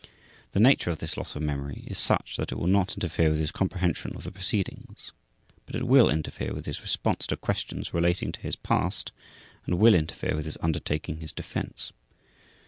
The nature of this loss of memory is such that it will not interfere with his comprehension of the proceedings, but it will interfere with his response to questions relating to his past and will interfere with his undertaking his defense.